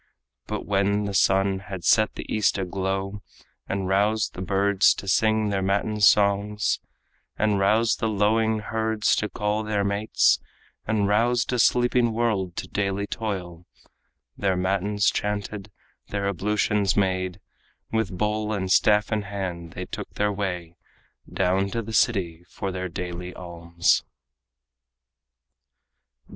But when the sun had set the east aglow, And roused the birds to sing their matin song's, And roused the lowing herds to call their mates, And roused a sleeping world to daily toil, Their matins chanted, their ablutions made, With bowl and staff in hand they took their way Down to the city for their daily alms.